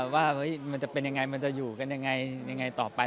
ว่ามันจะเป็นยังไงมันจะอยู่กันยังไงต่อไป